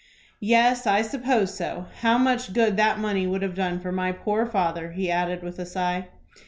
"Yes, I suppose so. How much good that money would have done my poor father," he added, with a sigh.